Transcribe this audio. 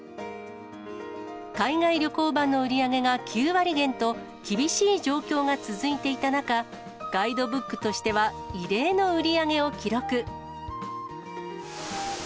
海外旅行版の売り上げが９割減と、厳しい状況が続いていた中、ガイドブックとしては異例の売り上げを記録。